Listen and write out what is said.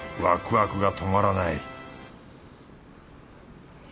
ワクワクが止まらない